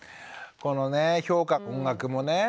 このねえ評価音楽もね。